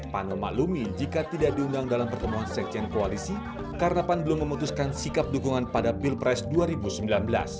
pan memaklumi jika tidak diundang dalam pertemuan sekjen koalisi karena pan belum memutuskan sikap dukungan pada pilpres dua ribu sembilan belas